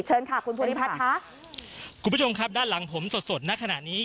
เชิญค่ะคุณภูริพัฒน์ค่ะคุณผู้ชมครับด้านหลังผมสดสดณขณะนี้